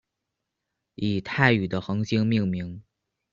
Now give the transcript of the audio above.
以泰语的恒星命名。